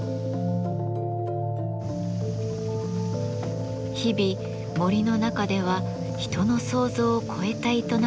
日々森の中では人の想像を超えた営みがあるといいます。